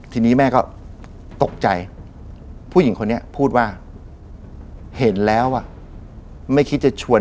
ทีนี้แม่ก็ตกใจ